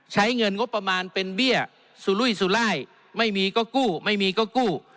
ใช้เงินงบประมาณเป็นเบี้ยสุรุยสุรายไม่มีก็กู้ไม่มีก็กู้